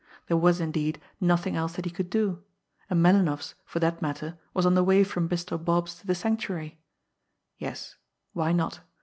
There was, indeed, nothing else that he could do and Melinoff's, for that matter, was on the way from Bristol Bob's to the Sanctuary. Yes, why not?